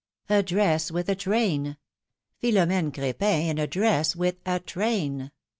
A dress with a train ! Philom^ne Cr^pin in a dress with a train